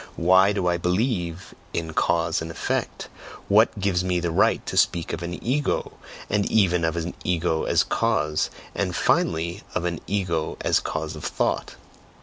Why do I believe in cause and effect? What gives me the right to speak of an 'ego,' and even of an 'ego' as cause, and finally of an 'ego' as cause of thought?"